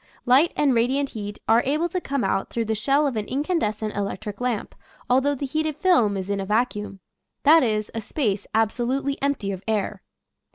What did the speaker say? Light and radiant heat are able to come out through the shell of an incandescent electric lamp, al though the heated film is in a vacuum, — that is, a space absolutely empty of air.